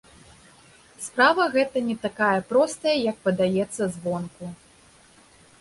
Справа гэта не такая простая, як падаецца звонку.